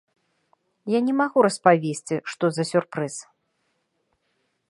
Я не магу распавесці, што за сюрпрыз.